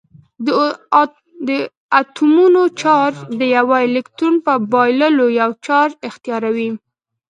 د اتومونو چارج د یوه الکترون په بایللو یو چارج اختیاروي.